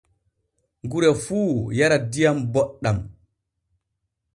Gure fuu yara diam boɗɗan.